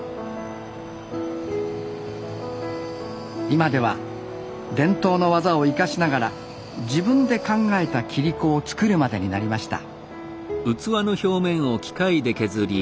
今では伝統の技を生かしながら自分で考えた切子を作るまでになりました